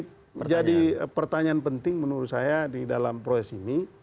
ini menjadi pertanyaan penting menurut saya di dalam proses ini